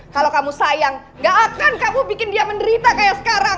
kalau kamu sayang gak akan kamu bikin dia menderita kayak sekarang